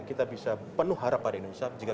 kita bisa penuh harap pada indonesia